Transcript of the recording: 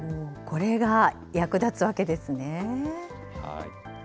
これが役立つわけですね。